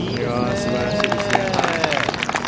素晴らしいですね。